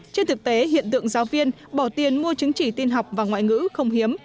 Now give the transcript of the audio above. trên thực tế hiện tượng giáo viên bỏ tiền mua chứng chỉ tin học và ngoại ngữ không hiếm